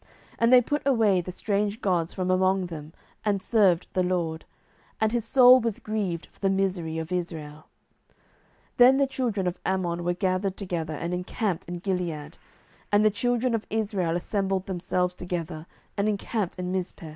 07:010:016 And they put away the strange gods from among them, and served the LORD: and his soul was grieved for the misery of Israel. 07:010:017 Then the children of Ammon were gathered together, and encamped in Gilead. And the children of Israel assembled themselves together, and encamped in Mizpeh.